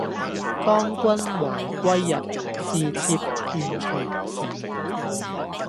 當君懷歸日，是妾斷腸時